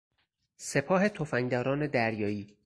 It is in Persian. سپاه تفنگداران دریایی